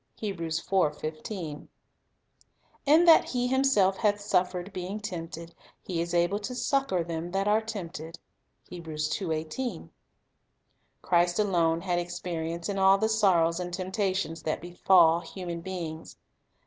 ' l "In that He Himself hath suffered being tempted, He is able to succor them that are tempted." : Christ alone had experience in all the sorrows and temptations that befall human beings.